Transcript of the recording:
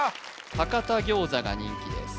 博多餃子が人気です